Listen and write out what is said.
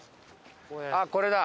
あっこれだ。